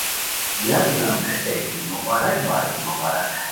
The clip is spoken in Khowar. یکدم ریتائے کی مبارک بائے مبارک